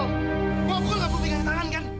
ngobrol gak perlu tinggal tangan kan